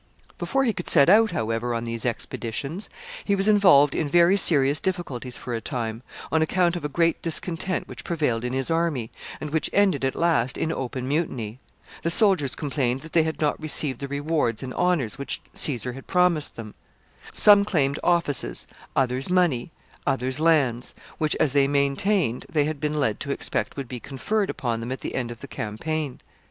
] Before he could set out, however, on these expeditions, he was involved in very serious difficulties for a time, on account of a great discontent which prevailed in his army, and which ended at last in open mutiny. The soldiers complained that they had not received the rewards and honors which Caesar had promised them. Some claimed offices, others money others lands, which, as they maintained, they had been led to expect would be conferred upon them at the end of the campaign.